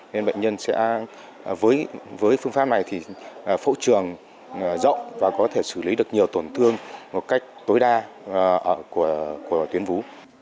nên bệnh nhân sẽ với phương pháp này thì phẫu trường rộng và có thể xử lý được nhiều tổn thương một cách tối đa của tuyến vú